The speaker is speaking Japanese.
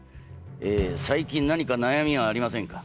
「最近何か悩みはありませんか？」